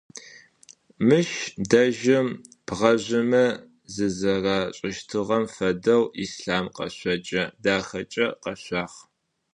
Мыщ дэжьым бгъэжъымэ зызэрашӏыщтыгъэм фэдэу Ислъам къэшъокӏэ дахэкӏэ къэшъуагъ.